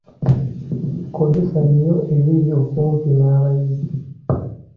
Kozesa nnyo ebiri okumpi n’abayizi.